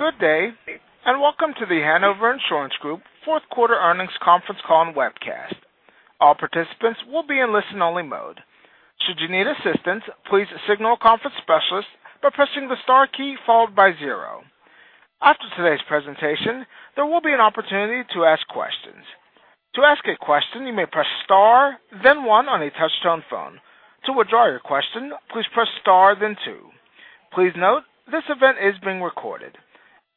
Good day, welcome to The Hanover Insurance Group fourth quarter earnings conference call and webcast. All participants will be in listen only mode. Should you need assistance, please signal a conference specialist by pressing the star key followed by 0. After today's presentation, there will be an opportunity to ask questions. To ask a question, you may press star, then 1 on a touch-tone phone. To withdraw your question, please press star, then 2. Please note, this event is being recorded.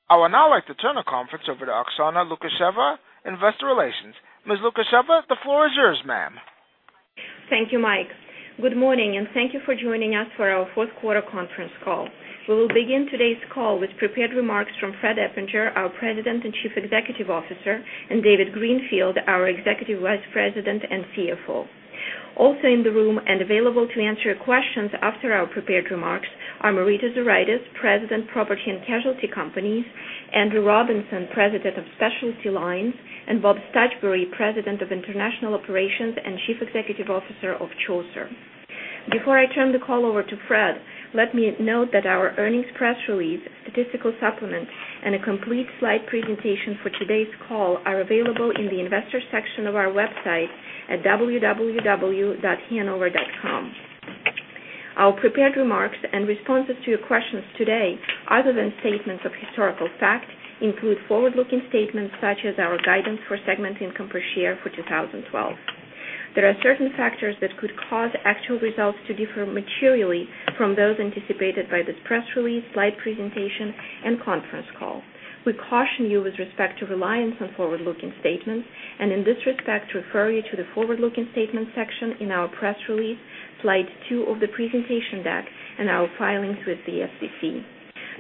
I would now like to turn the conference over to Oksana Lukasheva, investor relations. Ms. Lukasheva, the floor is yours, ma'am. Thank you, Mike. Good morning, thank you for joining us for our fourth quarter conference call. We will begin today's call with prepared remarks from Fred Eppinger, our President and Chief Executive Officer, and David Greenfield, our Executive Vice President and CFO. Also in the room and available to answer your questions after our prepared remarks are Marita Zuraitis, President, Property and Casualty Companies, Andrew Robinson, President of Specialty Lines, and Bob Stuchbery, President of International Operations and Chief Executive Officer of Chaucer. Before I turn the call over to Fred, let me note that our earnings press release, statistical supplement, and a complete slide presentation for today's call are available in the investor section of our website at www.hanover.com. Our prepared remarks and responses to your questions today, other than statements of historical fact, include forward-looking statements such as our guidance for segment income per share for 2012. There are certain factors that could cause actual results to differ materially from those anticipated by this press release, slide presentation, and conference call. We caution you with respect to reliance on forward-looking statements, and in this respect, refer you to the forward-looking statements section in our press release, slide two of the presentation deck, and our filings with the SEC.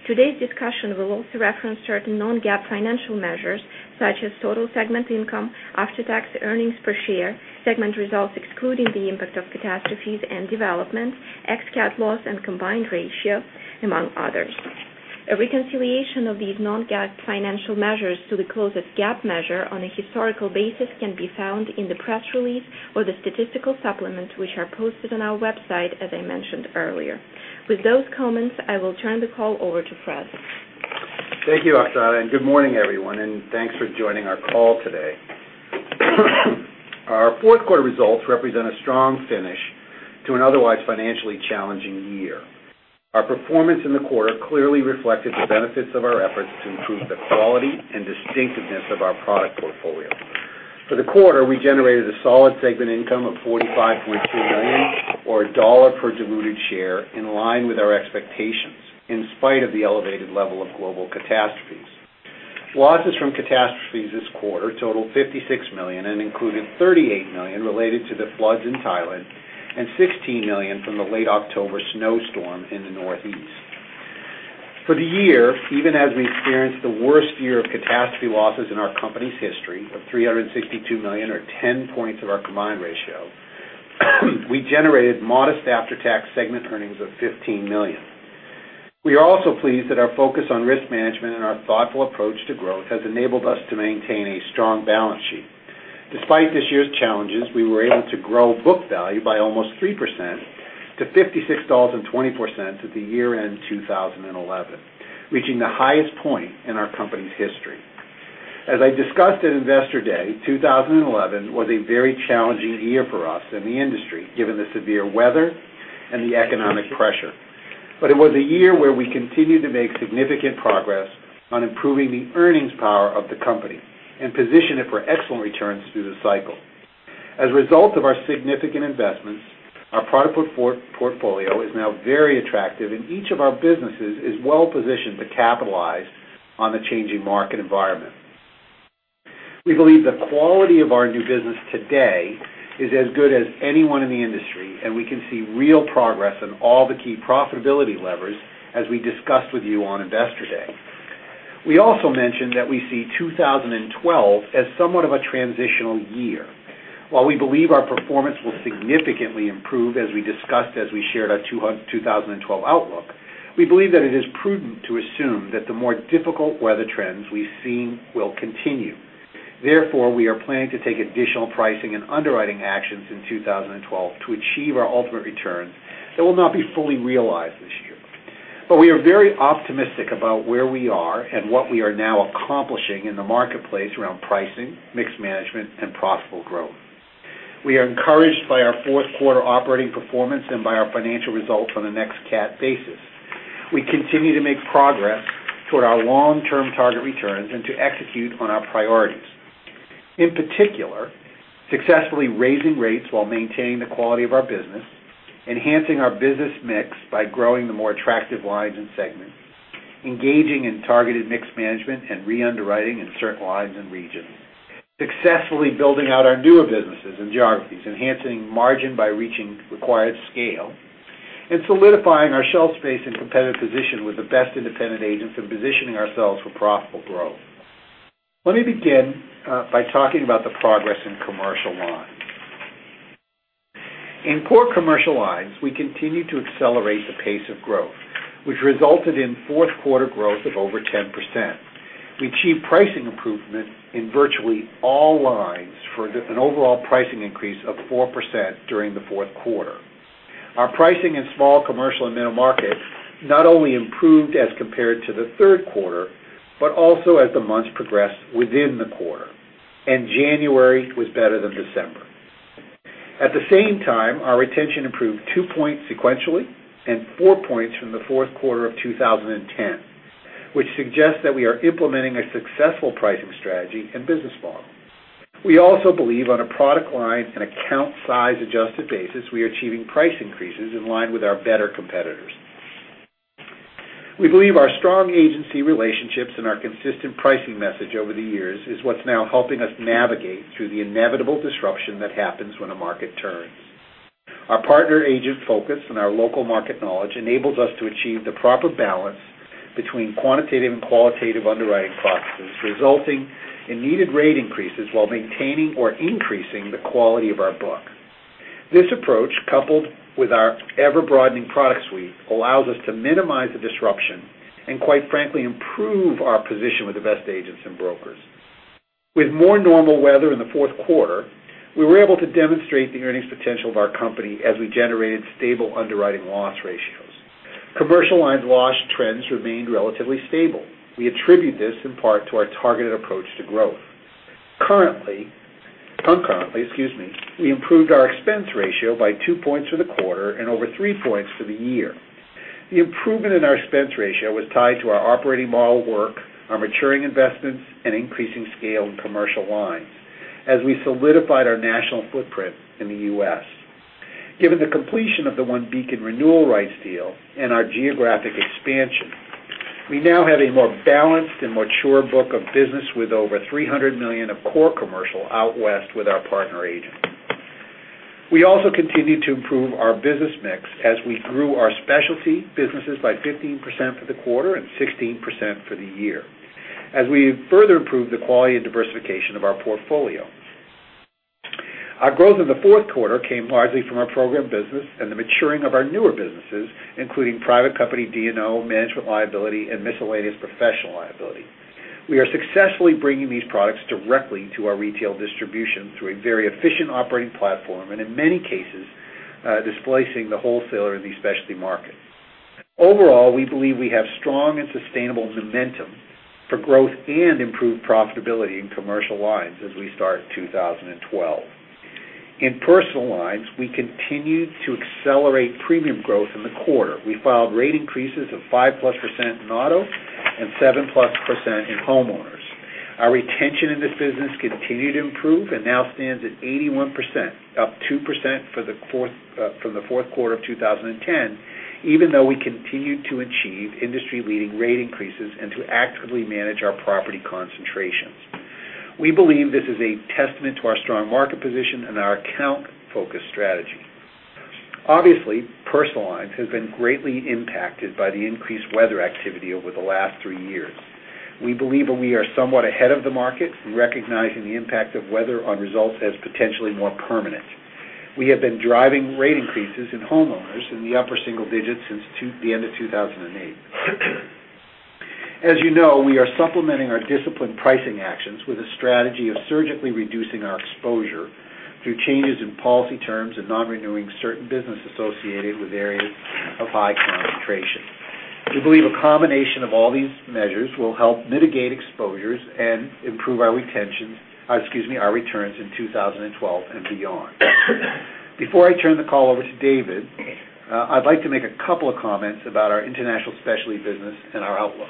Today's discussion will also reference certain non-GAAP financial measures such as total segment income, after-tax earnings per share, segment results excluding the impact of catastrophes and developments, ex-cat loss, and combined ratio, among others. A reconciliation of these non-GAAP financial measures to the closest GAAP measure on a historical basis can be found in the press release or the statistical supplement, which are posted on our website, as I mentioned earlier. With those comments, I will turn the call over to Fred. Thank you, Oksana. Good morning, everyone, thanks for joining our call today. Our fourth quarter results represent a strong finish to an otherwise financially challenging year. Our performance in the quarter clearly reflected the benefits of our efforts to improve the quality and distinctiveness of our product portfolio. For the quarter, we generated a solid segment income of $45.2 million, or $1 per diluted share, in line with our expectations, in spite of the elevated level of global catastrophes. Losses from catastrophes this quarter totaled $56 million and included $38 million related to the floods in Thailand and $16 million from the late October snowstorm in the Northeast. For the year, even as we experienced the worst year of catastrophe losses in our company's history of $362 million or 10 points of our combined ratio, we generated modest after-tax segment earnings of $15 million. We are also pleased that our focus on risk management and our thoughtful approach to growth has enabled us to maintain a strong balance sheet. Despite this year's challenges, we were able to grow book value by almost 3% to $56.24 at the year-end 2011, reaching the highest point in our company's history. As I discussed at Investor Day, 2011 was a very challenging year for us in the industry, given the severe weather and the economic pressure. It was a year where we continued to make significant progress on improving the earnings power of the company and position it for excellent returns through the cycle. As a result of our significant investments, our product portfolio is now very attractive, and each of our businesses is well-positioned to capitalize on the changing market environment. We believe the quality of our new business today is as good as anyone in the industry, and we can see real progress on all the key profitability levers as we discussed with you on Investor Day. We also mentioned that we see 2012 as somewhat of a transitional year. While we believe our performance will significantly improve as we discussed as we shared our 2012 outlook, we believe that it is prudent to assume that the more difficult weather trends we've seen will continue. Therefore, we are planning to take additional pricing and underwriting actions in 2012 to achieve our ultimate returns that will not be fully realized this year. We are very optimistic about where we are and what we are now accomplishing in the marketplace around pricing, mixed management, and profitable growth. We are encouraged by our fourth quarter operating performance and by our financial results on an ex-cat basis. We continue to make progress toward our long-term target returns and to execute on our priorities. In particular, successfully raising rates while maintaining the quality of our business, enhancing our business mix by growing the more attractive lines and segments, engaging in targeted mix management and re-underwriting in certain lines and regions, successfully building out our newer businesses and geographies, enhancing margin by reaching required scale, and solidifying our shelf space and competitive position with the best independent agents and positioning ourselves for profitable growth. Let me begin by talking about the progress in commercial lines. In core commercial lines, we continue to accelerate the pace of growth, which resulted in fourth quarter growth of over 10%. We achieved pricing improvement in virtually all lines for an overall pricing increase of 4% during the fourth quarter. Our pricing in small commercial and middle market not only improved as compared to the third quarter, but also as the months progressed within the quarter. January was better than December. At the same time, our retention improved two points sequentially and four points from the fourth quarter of 2010, which suggests that we are implementing a successful pricing strategy and business model. We also believe on a product line and account size-adjusted basis, we are achieving price increases in line with our better competitors. We believe our strong agency relationships and our consistent pricing message over the years is what's now helping us navigate through the inevitable disruption that happens when a market turns. Our partner agent focus and our local market knowledge enables us to achieve the proper balance between quantitative and qualitative underwriting processes, resulting in needed rate increases while maintaining or increasing the quality of our book. This approach, coupled with our ever-broadening product suite, allows us to minimize the disruption, and quite frankly, improve our position with the best agents and brokers. With more normal weather in the fourth quarter, we were able to demonstrate the earnings potential of our company as we generated stable underwriting loss ratios. Commercial Lines loss trends remained relatively stable. We attribute this in part to our targeted approach to growth. Concurrently, we improved our expense ratio by two points for the quarter and over three points for the year. The improvement in our expense ratio was tied to our operating model work, our maturing investments, and increasing scale in Commercial Lines as we solidified our national footprint in the U.S. Given the completion of the OneBeacon renewal rights deal and our geographic expansion, we now have a more balanced and mature book of business with over $300 million of core commercial out west with our partner agents. We also continued to improve our business mix as we grew our Specialty businesses by 15% for the quarter and 16% for the year, as we further improved the quality and diversification of our portfolio. Our growth in the fourth quarter came largely from our program business and the maturing of our newer businesses, including private company D&O, management liability, and miscellaneous professional liability. We are successfully bringing these products directly to our retail distribution through a very efficient operating platform, and in many cases, displacing the wholesaler in the specialty market. Overall, we believe we have strong and sustainable momentum for growth and improved profitability in Commercial Lines as we start 2012. In Personal Lines, we continued to accelerate premium growth in the quarter. We filed rate increases of 5-plus % in personal auto and 7-plus % in homeowners. Our retention in this business continued to improve and now stands at 81%, up 2% from the fourth quarter of 2010, even though we continued to achieve industry-leading rate increases and to actively manage our property concentrations. We believe this is a testament to our strong market position and our account-focused strategy. Obviously, Personal Lines have been greatly impacted by the increased weather activity over the last three years. We believe that we are somewhat ahead of the market in recognizing the impact of weather on results as potentially more permanent. We have been driving rate increases in homeowners in the upper single digits since the end of 2008. As you know, we are supplementing our disciplined pricing actions with a strategy of surgically reducing our exposure through changes in policy terms and non-renewing certain business associated with areas of high concentration. We believe a combination of all these measures will help mitigate exposures and improve our returns in 2012 and beyond. Before I turn the call over to David, I'd like to make a couple of comments about our international Specialty business and our outlook.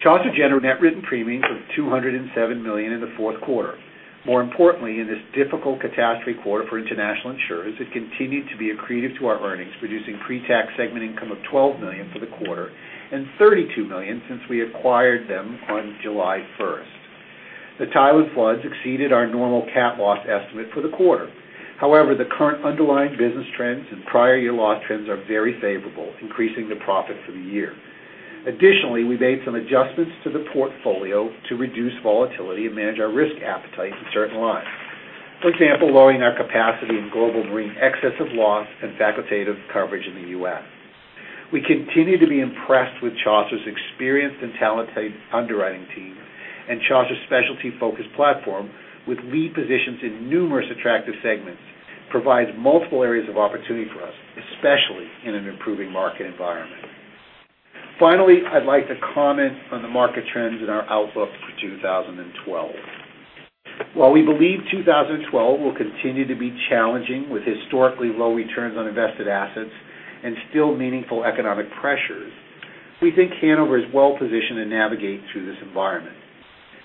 Chaucer generated net written premiums of $207 million in the fourth quarter. More importantly, in this difficult catastrophe quarter for international insurers, it continued to be accretive to our earnings, producing pre-tax segment income of $12 million for the quarter and $32 million since we acquired them on July 1st. The Thailand floods exceeded our normal cat loss estimate for the quarter. However, the current underlying business trends and prior year loss trends are very favorable, increasing the profit for the year. Additionally, we made some adjustments to the portfolio to reduce volatility and manage our risk appetite in certain lines. For example, lowering our capacity in global marine excess of loss and facultative coverage in the U.S. We continue to be impressed with Chaucer's experienced and talented underwriting team, and Chaucer's specialty focus platform with lead positions in numerous attractive segments provides multiple areas of opportunity for us, especially in an improving market environment. Finally, I'd like to comment on the market trends in our outlook for 2012. While we believe 2012 will continue to be challenging with historically low returns on invested assets and still meaningful economic pressures, we think Hanover is well positioned to navigate through this environment.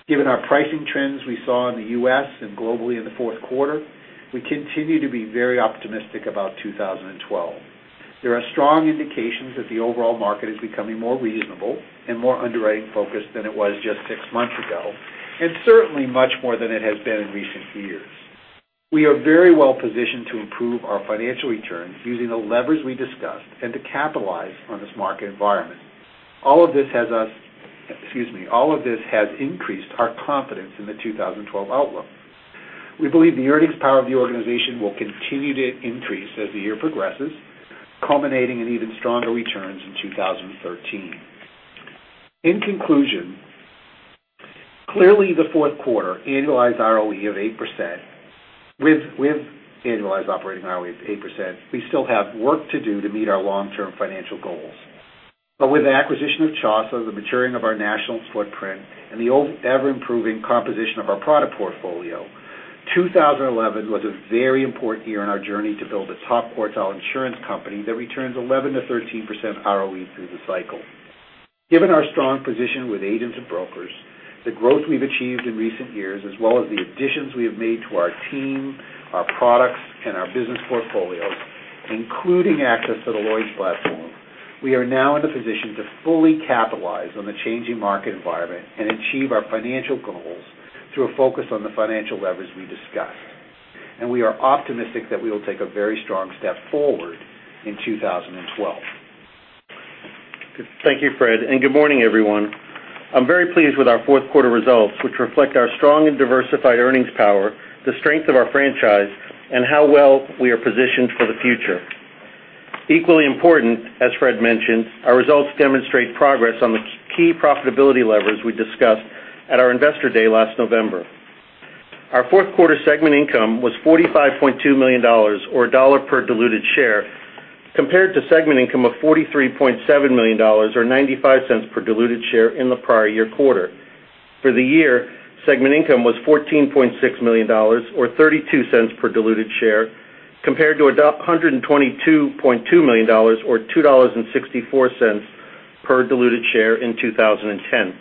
Given our pricing trends we saw in the U.S. and globally in the fourth quarter, we continue to be very optimistic about 2012. There are strong indications that the overall market is becoming more reasonable and more underwriting focused than it was just six months ago, and certainly much more than it has been in recent years. We are very well positioned to improve our financial returns using the levers we discussed and to capitalize on this market environment. All of this has increased our confidence in the 2012 outlook. We believe the earnings power of the organization will continue to increase as the year progresses, culminating in even stronger returns in 2013. In conclusion, clearly the fourth quarter annualized ROE of 8%, with annualized operating ROE of 8%, we still have work to do to meet our long-term financial goals. With the acquisition of Chaucer, the maturing of our national footprint, and the ever-improving composition of our product portfolio, 2011 was a very important year in our journey to build a top quartile insurance company that returns 11%-13% ROE through the cycle. Given our strong position with agents and brokers, the growth we've achieved in recent years, as well as the additions we have made to our team, our products, and our business portfolios, including access to the Lloyd's platform, we are now in a position to fully capitalize on the changing market environment and achieve our financial goals through a focus on the financial levers we discussed. We are optimistic that we will take a very strong step forward in 2012. Thank you, Fred. Good morning, everyone. I'm very pleased with our fourth quarter results, which reflect our strong and diversified earnings power, the strength of our franchise, and how well we are positioned for the future. Equally important, as Fred mentioned, our results demonstrate progress on the key profitability levers we discussed at our Investor Day last November. Our fourth quarter segment income was $45.2 million, or $1 per diluted share, compared to segment income of $43.7 million or $0.95 per diluted share in the prior year quarter. For the year, segment income was $14.6 million or $0.32 per diluted share, compared to $122.2 million or $2.64 per diluted share in 2010.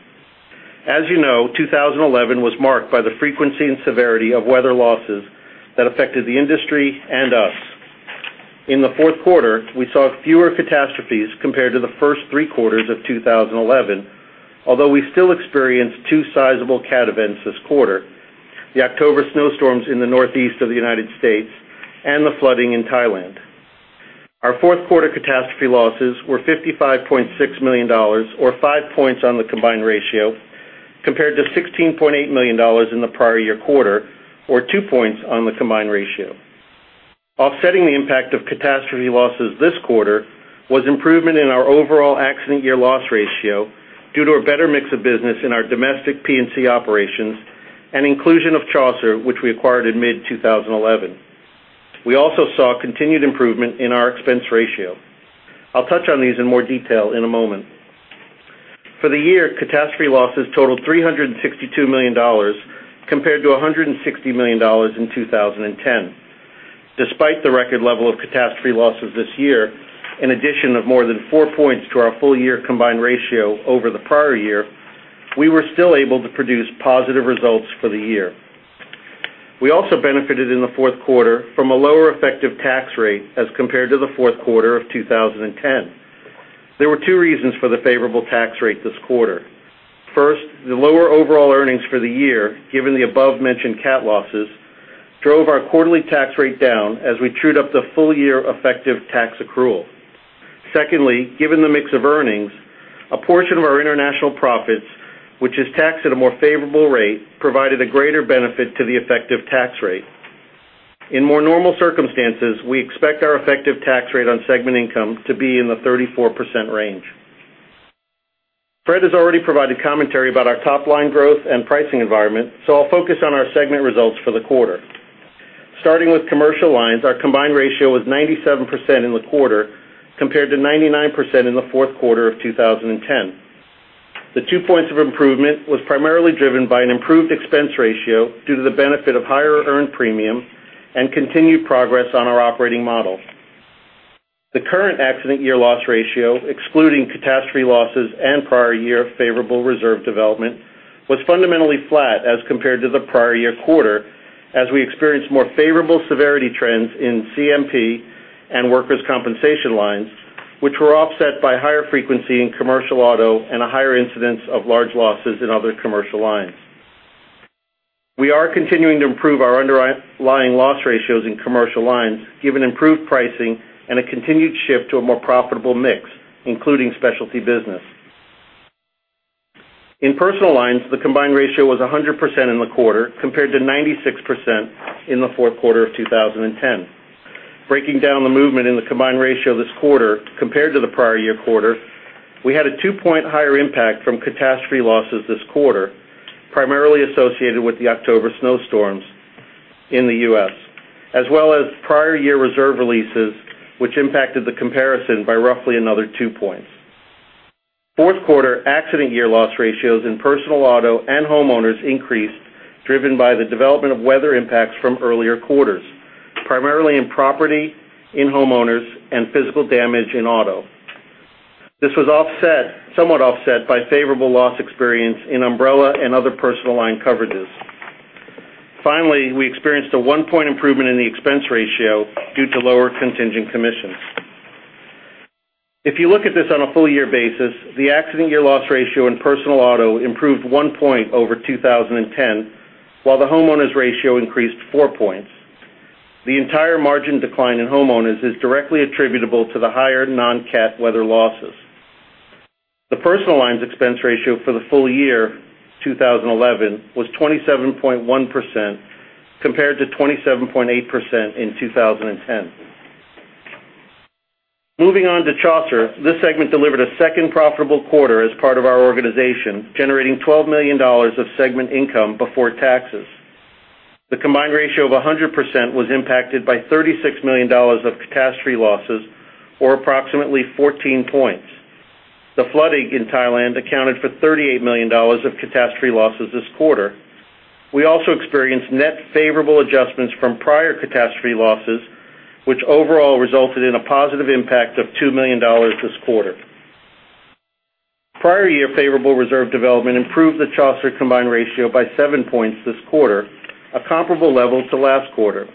As you know, 2011 was marked by the frequency and severity of weather losses that affected the industry and us. In the fourth quarter, we saw fewer catastrophes compared to the first three quarters of 2011, although we still experienced two sizable cat events this quarter, the October snowstorms in the Northeast of the U.S. and the flooding in Thailand. Our fourth quarter catastrophe losses were $55.6 million or 5 points on the combined ratio, compared to $16.8 million in the prior year quarter or 2 points on the combined ratio. Offsetting the impact of catastrophe losses this quarter was improvement in our overall accident year loss ratio due to a better mix of business in our domestic P&C operations and inclusion of Chaucer, which we acquired in mid-2011. We also saw continued improvement in our expense ratio. I'll touch on these in more detail in a moment. For the year, catastrophe losses totaled $362 million compared to $160 million in 2010. Despite the record level of catastrophe losses this year, an addition of more than 4 points to our full-year combined ratio over the prior year, we were still able to produce positive results for the year. We also benefited in the fourth quarter from a lower effective tax rate as compared to the fourth quarter of 2010. There were 2 reasons for the favorable tax rate this quarter. First, the lower overall earnings for the year, given the above-mentioned cat losses, drove our quarterly tax rate down as we trued up the full-year effective tax accrual. Secondly, given the mix of earnings, a portion of our international profits, which is taxed at a more favorable rate, provided a greater benefit to the effective tax rate. In more normal circumstances, we expect our effective tax rate on segment income to be in the 34% range. Fred has already provided commentary about our top-line growth and pricing environment. I'll focus on our segment results for the quarter. Starting with commercial lines, our combined ratio was 97% in the quarter, compared to 99% in the fourth quarter of 2010. The 2 points of improvement was primarily driven by an improved expense ratio due to the benefit of higher earned premium and continued progress on our operating model. The current accident year loss ratio, excluding catastrophe losses and prior year favorable reserve development, was fundamentally flat as compared to the prior year quarter, as we experienced more favorable severity trends in CMP and workers' compensation lines, which were offset by higher frequency in commercial auto and a higher incidence of large losses in other commercial lines. We are continuing to improve our underlying loss ratios in commercial lines, given improved pricing and a continued shift to a more profitable mix, including specialty business. In personal lines, the combined ratio was 100% in the quarter, compared to 96% in the fourth quarter of 2010. Breaking down the movement in the combined ratio this quarter compared to the prior year quarter, we had a two-point higher impact from catastrophe losses this quarter, primarily associated with the October snowstorms in the U.S., as well as prior year reserve releases, which impacted the comparison by roughly another two points. Fourth quarter accident year loss ratios in personal auto and homeowners increased, driven by the development of weather impacts from earlier quarters, primarily in property in homeowners and physical damage in auto. This was somewhat offset by favorable loss experience in umbrella and other personal line coverages. We experienced a one-point improvement in the expense ratio due to lower contingent commissions. If you look at this on a full-year basis, the accident year loss ratio in personal auto improved one point over 2010, while the homeowners ratio increased four points. The entire margin decline in homeowners is directly attributable to the higher non-cat weather losses. The personal lines expense ratio for the full year 2011 was 27.1%, compared to 27.8% in 2010. Moving on to Chaucer. This segment delivered a second profitable quarter as part of our organization, generating $12 million of segment income before taxes. The combined ratio of 100% was impacted by $36 million of catastrophe losses, or approximately 14 points. The flooding in Thailand accounted for $38 million of catastrophe losses this quarter. We also experienced net favorable adjustments from prior catastrophe losses, which overall resulted in a positive impact of $2 million this quarter. Prior year favorable reserve development improved the Chaucer combined ratio by seven points this quarter, a comparable level to last quarter.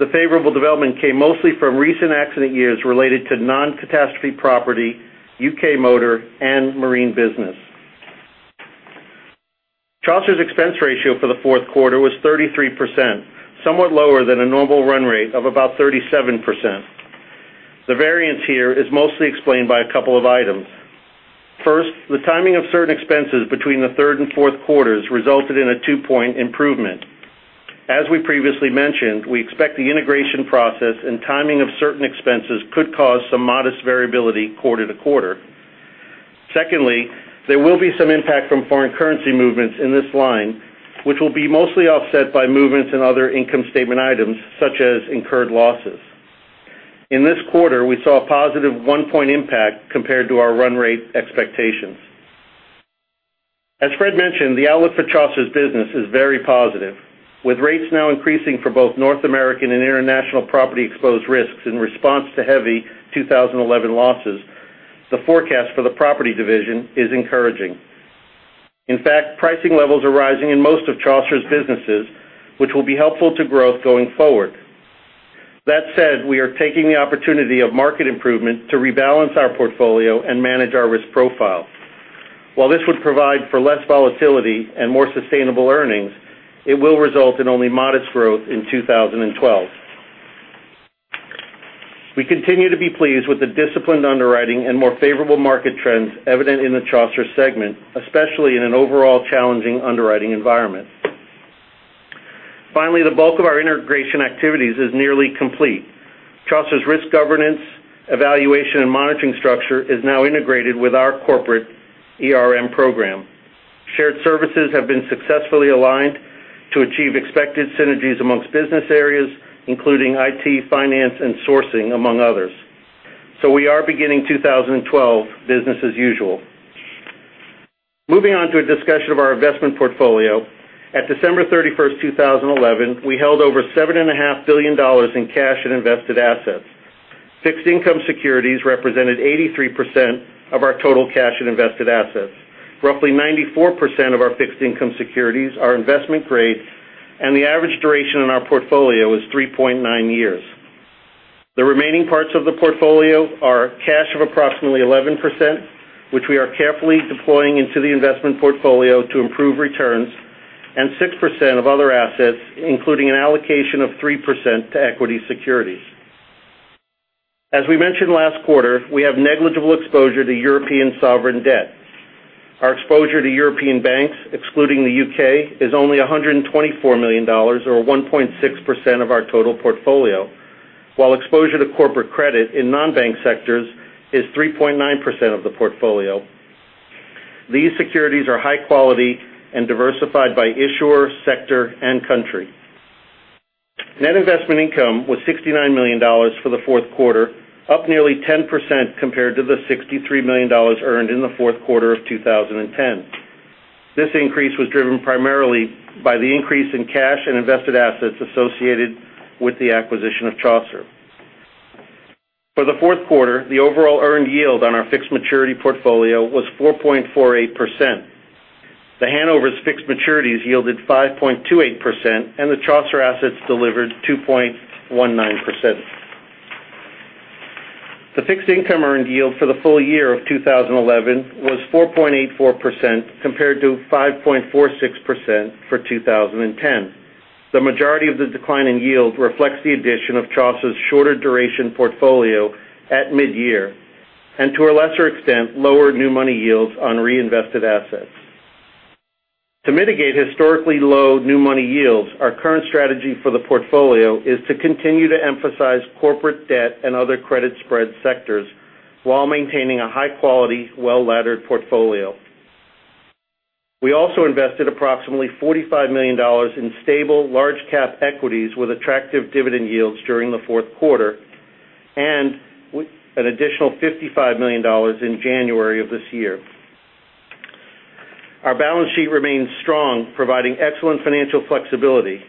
The favorable development came mostly from recent accident years related to non-catastrophe property, U.K. motor, and marine business. Chaucer's expense ratio for the fourth quarter was 33%, somewhat lower than a normal run rate of about 37%. The variance here is mostly explained by a couple of items. First, the timing of certain expenses between the third and fourth quarters resulted in a two-point improvement. As we previously mentioned, we expect the integration process and timing of certain expenses could cause some modest variability quarter to quarter. Secondly, there will be some impact from foreign currency movements in this line, which will be mostly offset by movements in other income statement items, such as incurred losses. In this quarter, we saw a positive one-point impact compared to our run rate expectations. As Fred mentioned, the outlook for Chaucer's business is very positive. With rates now increasing for both North American and international property exposed risks in response to heavy 2011 losses, the forecast for the property division is encouraging. In fact, pricing levels are rising in most of Chaucer's businesses, which will be helpful to growth going forward. We are taking the opportunity of market improvement to rebalance our portfolio and manage our risk profile. While this would provide for less volatility and more sustainable earnings, it will result in only modest growth in 2012. We continue to be pleased with the disciplined underwriting and more favorable market trends evident in the Chaucer segment, especially in an overall challenging underwriting environment. Finally, the bulk of our integration activities is nearly complete. Chaucer's risk governance, evaluation, and monitoring structure is now integrated with our corporate ERM program. Shared services have been successfully aligned to achieve expected synergies amongst business areas, including IT, finance, and sourcing, among others. We are beginning 2012 business as usual. Moving on to a discussion of our investment portfolio. At December 31st, 2011, we held over $7.5 billion in cash and invested assets. Fixed income securities represented 83% of our total cash and invested assets. Roughly 94% of our fixed income securities are investment grade, and the average duration in our portfolio is 3.9 years. The remaining parts of the portfolio are cash of approximately 11%, which we are carefully deploying into the investment portfolio to improve returns, and 6% of other assets, including an allocation of 3% to equity securities. As we mentioned last quarter, we have negligible exposure to European sovereign debt. Our exposure to European banks, excluding the U.K., is only $124 million, or 1.6% of our total portfolio. While exposure to corporate credit in non-bank sectors is 3.9% of the portfolio. These securities are high quality and diversified by issuer, sector, and country. Net investment income was $69 million for the fourth quarter, up nearly 10% compared to the $63 million earned in the fourth quarter of 2010. This increase was driven primarily by the increase in cash and invested assets associated with the acquisition of Chaucer. For the fourth quarter, the overall earned yield on our fixed maturity portfolio was 4.48%. The Hanover's fixed maturities yielded 5.28%, and the Chaucer assets delivered 2.19%. The fixed income earned yield for the full year of 2011 was 4.84% compared to 5.46% for 2010. The majority of the decline in yield reflects the addition of Chaucer's shorter duration portfolio at mid-year, and to a lesser extent, lower new money yields on reinvested assets. To mitigate historically low new money yields, our current strategy for the portfolio is to continue to emphasize corporate debt and other credit spread sectors while maintaining a high-quality, well-laddered portfolio. We also invested approximately $45 million in stable large cap equities with attractive dividend yields during the fourth quarter, and an additional $55 million in January of this year. Our balance sheet remains strong, providing excellent financial flexibility.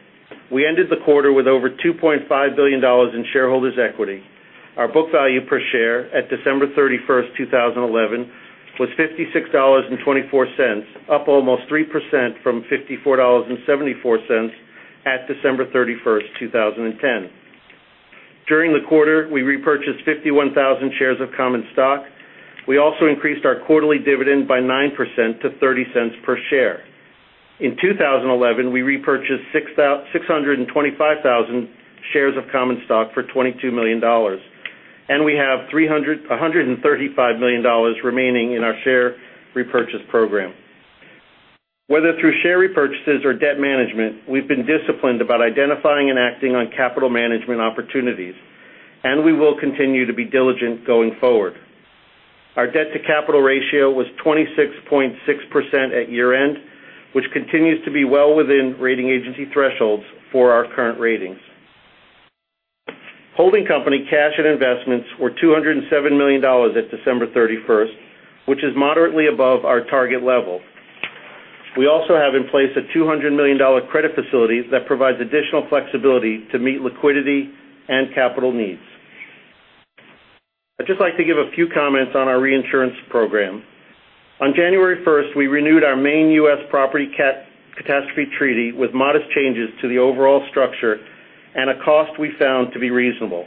We ended the quarter with over $2.5 billion in shareholders' equity. Our book value per share at December 31st, 2011, was $56.24, up almost 3% from $54.74 at December 31st, 2010. During the quarter, we repurchased 51,000 shares of common stock. We also increased our quarterly dividend by 9% to $0.30 per share. In 2011, we repurchased 625,000 shares of common stock for $22 million, and we have $135 million remaining in our share repurchase program. Whether through share repurchases or debt management, we've been disciplined about identifying and acting on capital management opportunities, and we will continue to be diligent going forward. Our debt-to-capital ratio was 26.6% at year-end, which continues to be well within rating agency thresholds for our current ratings. Holding company cash and investments were $207 million at December 31st, which is moderately above our target level. We also have in place a $200 million credit facility that provides additional flexibility to meet liquidity and capital needs. I'd just like to give a few comments on our reinsurance program. On January 1st, we renewed our main U.S. property catastrophe treaty with modest changes to the overall structure and a cost we found to be reasonable.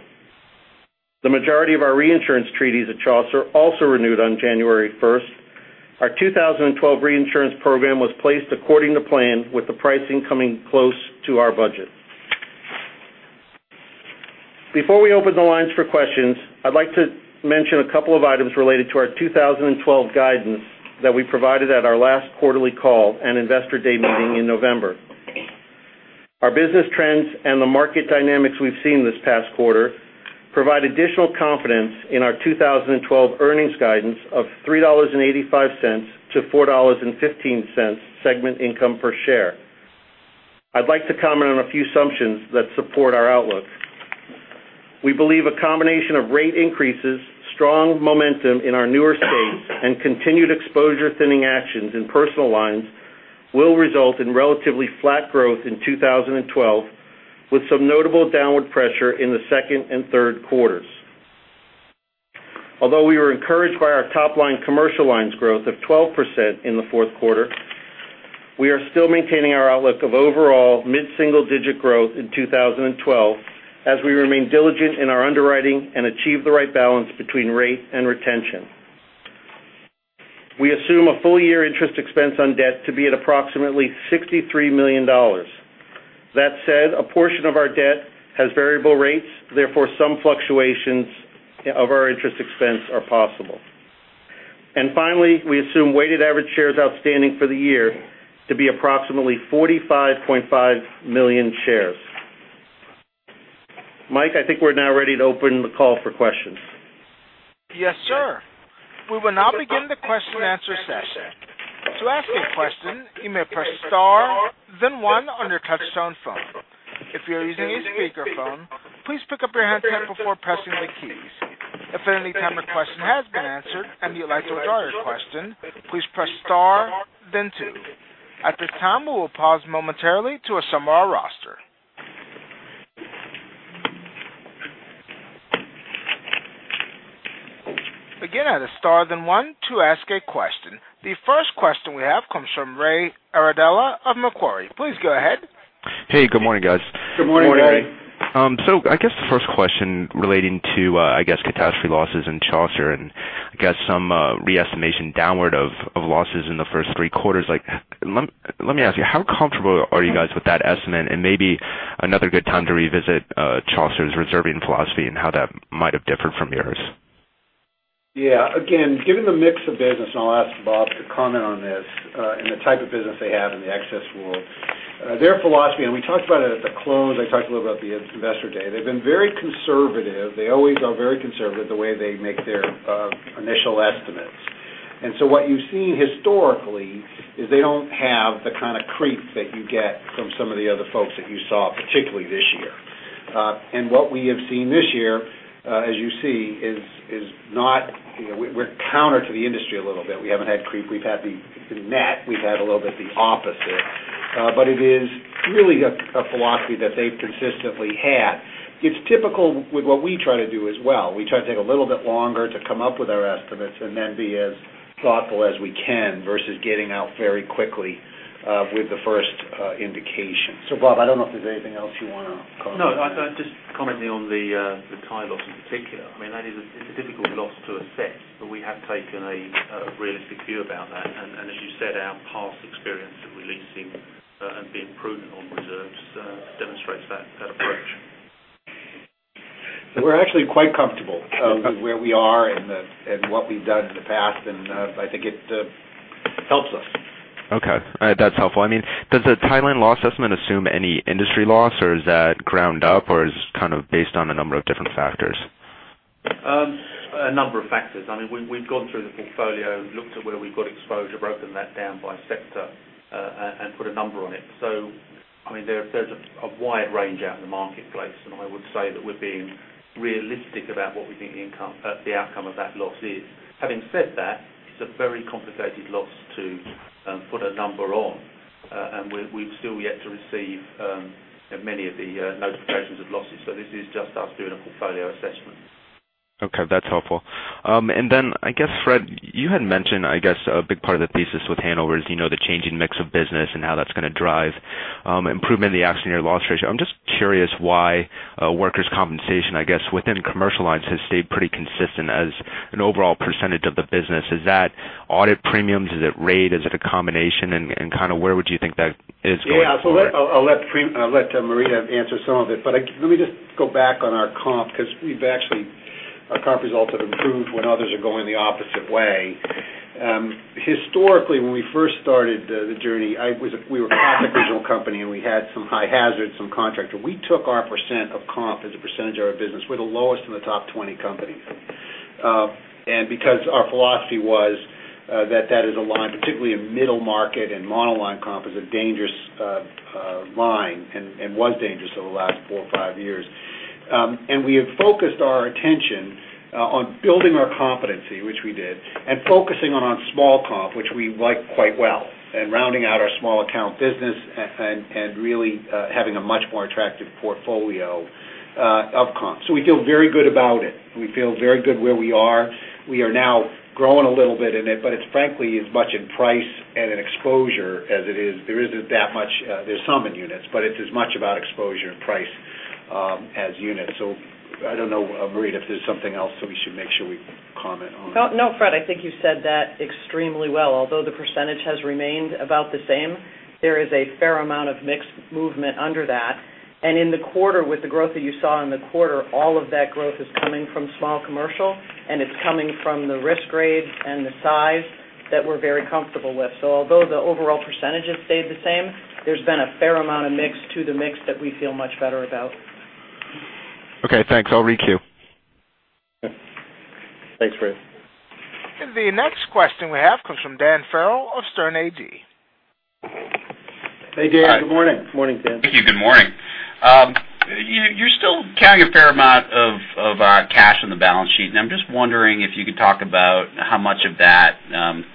The majority of our reinsurance treaties at Chaucer also renewed on January 1st. Our 2012 reinsurance program was placed according to plan, with the pricing coming close to our budget. Before we open the lines for questions, I'd like to mention a couple of items related to our 2012 guidance that we provided at our last quarterly call and Investor Day meeting in November. Our business trends and the market dynamics we've seen this past quarter provide additional confidence in our 2012 earnings guidance of $3.85 to $4.15 segment income per share. I'd like to comment on a few assumptions that support our outlook. We believe a combination of rate increases, strong momentum in our newer states, and continued exposure thinning actions in personal lines will result in relatively flat growth in 2012, with some notable downward pressure in the second and third quarters. Although we were encouraged by our top-line commercial lines growth of 12% in the fourth quarter, we are still maintaining our outlook of overall mid-single-digit growth in 2012 as we remain diligent in our underwriting and achieve the right balance between rate and retention. We assume a full-year interest expense on debt to be at approximately $63 million. That said, a portion of our debt has variable rates therefore some fluctuations of our interest expense are possible. Finally, we assume weighted average shares outstanding for the year to be approximately 45.5 million shares. Mike, I think we're now ready to open the call for questions. Yes, sir. We will now begin the question and answer session. To ask a question, you may press star then one on your touchtone phone. If you're using a speakerphone, please pick up your handset before pressing the keys. If at any time your question has been answered and you'd like to withdraw your question, please press star then two. At this time, we will pause momentarily to assemble our roster. Again, at a star then one to ask a question. The first question we have comes from Ray Iardella of Macquarie. Please go ahead. Hey, good morning, guys. Good morning, Ray. Good morning. I guess the first question relating to, I guess, catastrophe losses in Chaucer and, I guess, some re-estimation downward of losses in the first three quarters, let me ask you, how comfortable are you guys with that estimate? Maybe another good time to revisit Chaucer's reserving philosophy and how that might have differed from yours. Yeah. Again, given the mix of business, and I'll ask Bob to comment on this, and the type of business they have in the excess world. Their philosophy, we talked about it at the close, I talked a little about the Investor Day. They've been very conservative. They always are very conservative the way they make their initial estimates. What you've seen historically is they don't have the kind of creep that you get from some of the other folks that you saw, particularly this year. What we have seen this year, as you see, we're counter to the industry a little bit. We haven't had creep. We've had the net. We've had a little bit the opposite. It is really a philosophy that they've consistently had. It's typical with what we try to do as well. We try to take a little bit longer to come up with our estimates and then be as thoughtful as we can versus getting out very quickly with the first indication. Bob, I don't know if there's anything else you want to comment on. No, just commenting on the Thai loss in particular. I mean, it's a difficult loss to assess, but we have taken a realistic view about that. As you said, our past experience of releasing and being prudent on reserves demonstrates that approach. We're actually quite comfortable with where we are and what we've done in the past, and I think it helps us. Okay. That's helpful. I mean, does the Thailand loss estimate assume any industry loss, or is that ground up, or is this kind of based on a number of different factors? A number of factors. I mean, we've gone through the portfolio, looked at where we've got exposure, broken that down by sector, and put a number on it. I mean, there's a wide range out in the marketplace, and I would say that we're being realistic about what we think the outcome of that loss is. Having said that, it's a very complicated loss to put a number on, and we've still yet to receive many of the notifications of losses. This is just us doing a portfolio assessment. Okay, that's helpful. I guess, Fred, you had mentioned, I guess a big part of the thesis with Hanover is the changing mix of business and how that's going to drive improvement in the accident year loss ratio. I'm just curious why workers' compensation, I guess, within commercial lines has stayed pretty consistent as an overall % of the business. Is that audit premiums? Is it rate? Is it a combination and where would you think that is going forward? Yeah. I'll let Marita answer some of it, but let me just go back on our comp because our comp results have improved when others are going the opposite way. Historically, when we first started the journey, we were kind of an original company, and we had some high hazards, some contractor. We took our % of comp as a % of our business. We're the lowest in the top 20 companies. Because our philosophy was that that is a line, particularly in middle market and monoline comp, is a dangerous line and was dangerous over the last four or five years. We have focused our attention on building our competency, which we did, and focusing on small comp, which we like quite well, and rounding out our small account business and really having a much more attractive portfolio of comp. We feel very good about it. We feel very good where we are. We are now growing a little bit in it, but it's frankly as much in price and in exposure as it is. There's some in units, but it's as much about exposure and price as units. I don't know, Marita, if there's something else that we should make sure we comment on. No, Fred, I think you said that extremely well. Although the percentage has remained about the same, there is a fair amount of mixed movement under that. In the quarter, with the growth that you saw in the quarter, all of that growth is coming from small commercial, and it's coming from the risk grade and the size that we're very comfortable with. Although the overall percentages stayed the same, there's been a fair amount of mix to the mix that we feel much better about. Okay, thanks. I'll re-queue. Thanks, Fred. The next question we have comes from Dan Farrell of Sterne Agee. Hey, Dan. Good morning. Morning, Dan. Thank you. Good morning. You're still carrying a fair amount of cash on the balance sheet, I'm just wondering if you could talk about how much of that,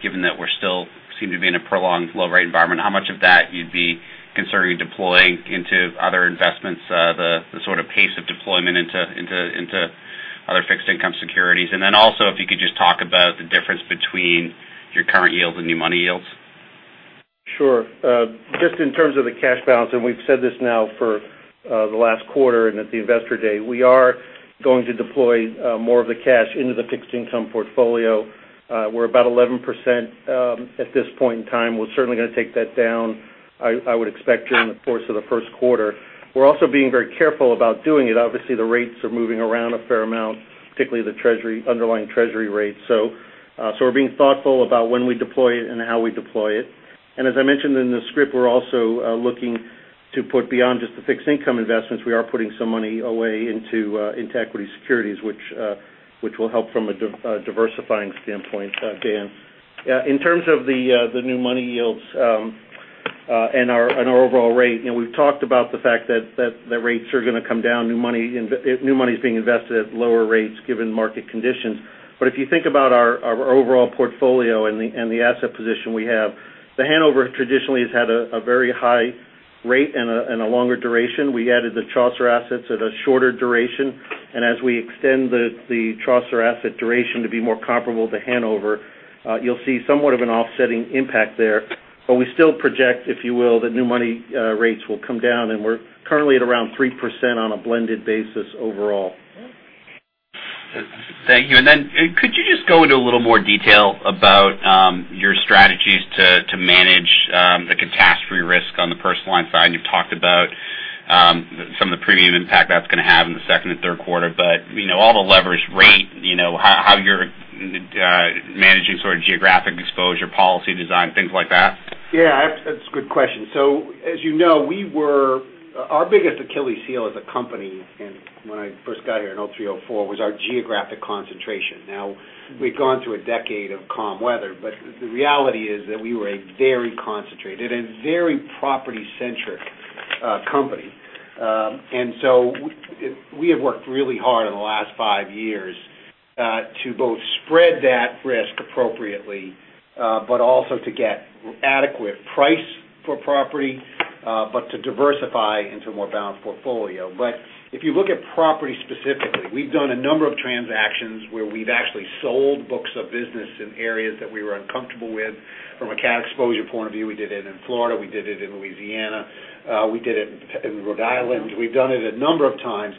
given that we're still seem to be in a prolonged low rate environment, how much of that you'd be considering deploying into other investments, the sort of pace of deployment into other fixed income securities. Then also, if you could just talk about the difference between your current yields and new money yields. Sure. Just in terms of the cash balance, we've said this now for the last quarter and at the Investor Day, we are going to deploy more of the cash into the fixed income portfolio. We're about 11% at this point in time. We're certainly going to take that down, I would expect, during the course of the first quarter. We're also being very careful about doing it. Obviously, the rates are moving around a fair amount, particularly the underlying treasury rate. We're being thoughtful about when we deploy it and how we deploy it. As I mentioned in the script, we're also looking to put beyond just the fixed income investments. We are putting some money away into equity securities, which will help from a diversifying standpoint, Dan. In terms of the new money yields and our overall rate, we've talked about the fact that the rates are going to come down. New money is being invested at lower rates given market conditions. If you think about our overall portfolio and the asset position we have, The Hanover traditionally has had a very high rate and a longer duration. We added the Chaucer assets at a shorter duration, and as we extend the Chaucer asset duration to be more comparable to Hanover, you'll see somewhat of an offsetting impact there. We still project, if you will, that new money rates will come down, and we're currently at around 3% on a blended basis overall. Thank you. Could you just go into a little more detail about your strategies to manage the catastrophe risk on the personal line side? You've talked about some of the premium impact that's going to have in the second and third quarter, all the levers rate, how you're managing sort of geographic exposure, policy design, things like that. Yeah, that's a good question. As you know, our biggest Achilles heel as a company, when I first got here in 2003, 2004, was our geographic concentration. We've gone through a decade of calm weather, but the reality is that we were a very concentrated and very property-centric company. We have worked really hard in the last five years to both spread that risk appropriately but also to get adequate price for property but to diversify into a more balanced portfolio. If you look at property specifically, we've done a number of transactions where we've actually sold books of business in areas that we were uncomfortable with from a cat exposure point of view. We did it in Florida. We did it in Louisiana. We did it in Rhode Island. We've done it a number of times.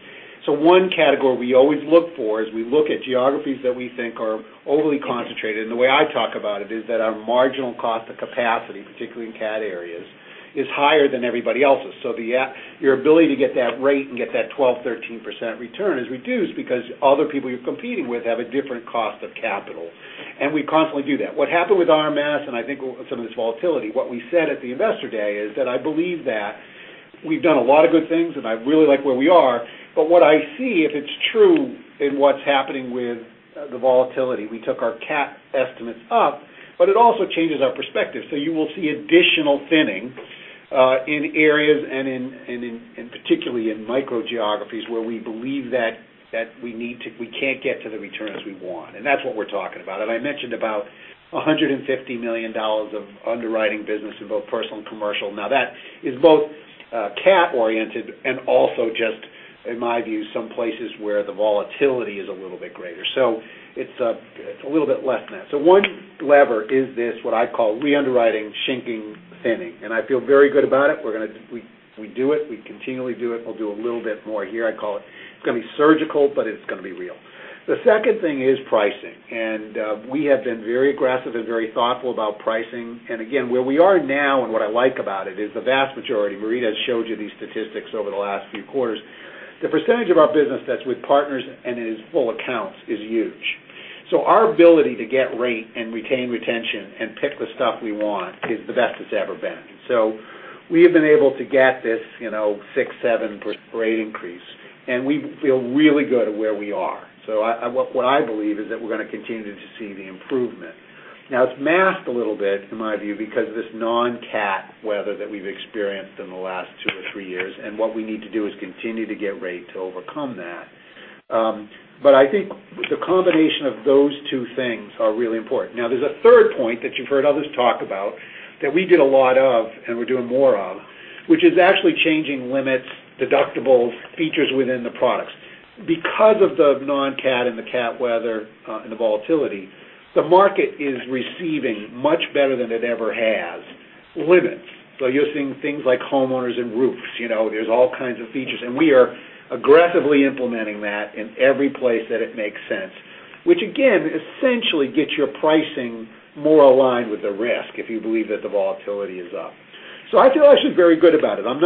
One category we always look for is we look at geographies that we think are overly concentrated, and the way I talk about it is that our marginal cost of capacity, particularly in cat areas, is higher than everybody else's. Your ability to get that rate and get that 12, 13% return is reduced because other people you're competing with have a different cost of capital. We constantly do that. What happened with RMS, and I think some of this volatility, what we said at the Investor Day is that I believe that we've done a lot of good things, and I really like where we are, but what I see, if it's true in what's happening with the volatility, we took our cat estimates up, but it also changes our perspective. You will see additional thinning in areas and particularly in micro geographies where we believe that we can't get to the returns we want. That's what we're talking about. I mentioned about $150 million of underwriting business in both personal and commercial. That is both cat oriented and also just In my view, some places where the volatility is a little bit greater. It's a little bit less than that. One lever is this, what I call re-underwriting, shrinking, thinning, and I feel very good about it. We do it. We continually do it. We'll do a little bit more here, I call it. It's going to be surgical, but it's going to be real. The second thing is pricing, and we have been very aggressive and very thoughtful about pricing. Again, where we are now, and what I like about it, is the vast majority, Marita showed you these statistics over the last few quarters. The percentage of our business that's with partners and in full accounts is huge. Our ability to get rate and retain retention and pick the stuff we want is the best it's ever been. We have been able to get this six, seven rate increase, and we feel really good at where we are. What I believe is that we're going to continue to see the improvement. It's masked a little bit, in my view, because of this non-cat weather that we've experienced in the last two or three years, and what we need to do is continue to get rate to overcome that. I think the combination of those two things are really important. There's a third point that you've heard others talk about that we did a lot of and we're doing more of, which is actually changing limits, deductibles, features within the products. Because of the non-cat and the cat weather, and the volatility, the market is receiving much better than it ever has limits. You're seeing things like homeowners and roofs. There's all kinds of features, and we are aggressively implementing that in every place that it makes sense, which again, essentially gets your pricing more aligned with the risk if you believe that the volatility is up. I feel actually very good about it. I'm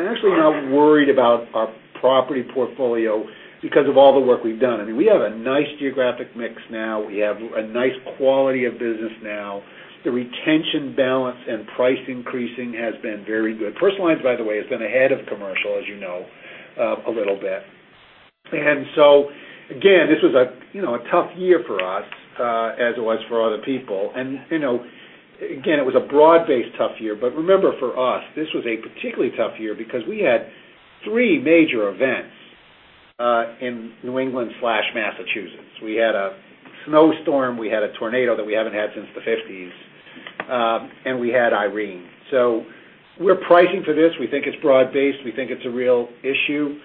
actually not worried about our property portfolio because of all the work we've done. I mean, we have a nice geographic mix now. We have a nice quality of business now. The retention balance and price increasing has been very good. Personal lines, by the way, has been ahead of commercial, as you know, a little bit. Again, this was a tough year for us, as it was for other people. Again, it was a broad-based tough year, remember for us, this was a particularly tough year because we had three major events in New England/Massachusetts. We had a snowstorm, we had a tornado that we haven't had since the '50s, and we had Irene. We're pricing for this. We think it's broad based. We think it's a real issue.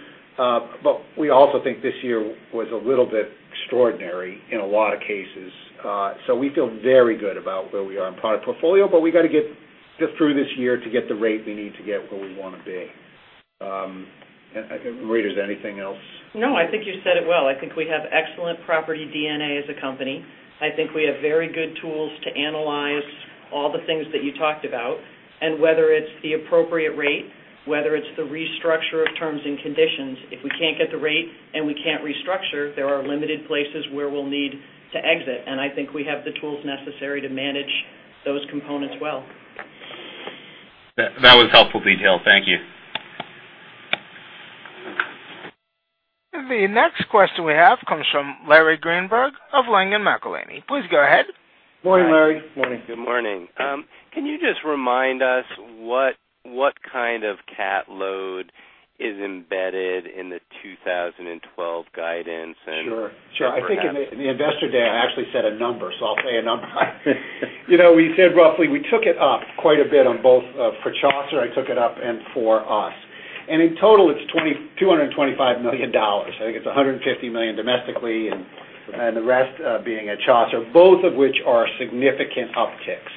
We also think this year was a little bit extraordinary in a lot of cases. We feel very good about where we are in product portfolio, but we got to get through this year to get the rate we need to get where we want to be. Marita, is there anything else? No, I think you said it well. I think we have excellent property DNA as a company. I think we have very good tools to analyze all the things that you talked about, whether it's the appropriate rate, whether it's the restructure of terms and conditions, if we can't get the rate and we can't restructure, there are limited places where we'll need to exit, and I think we have the tools necessary to manage those components well. That was helpful detail. Thank you. The next question we have comes from Larry Greenberg of Langen McAlenney. Please go ahead. Morning, Larry. Morning. Good morning. Can you just remind us what kind of cat load is embedded in the 2012 guidance? Sure. Sure. I think in the Investor Day, I actually said a number, so I'll say a number. We said roughly we took it up quite a bit on both for Chaucer, I took it up, and for us. In total, it's $225 million. I think it's $150 million domestically, and the rest being at Chaucer, both of which are significant upticks